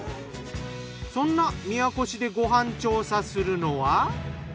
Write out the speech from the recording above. そんな宮古市でご飯調査するのは。